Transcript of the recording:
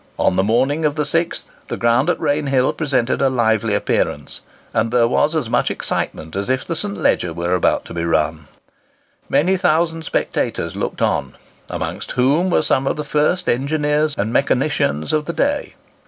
On the morning of the 6th, the ground at Rainhill presented a lively appearance, and there was as much excitement as if the St. Leger were about to be run. Many thousand spectators looked on, amongst whom were some of the first engineers and mechanicians of the day.